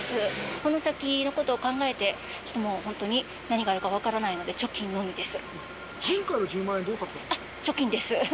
この先のことを考えて、ちょっともう本当に、何があるか分からないので、貯金のみです。